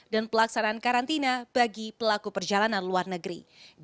dan pelaksanaan karantina bagi pelaku perjalanan luar negeri